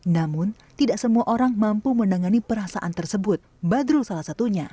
namun tidak semua orang mampu menangani perasaan tersebut badrul salah satunya